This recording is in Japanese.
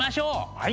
はい。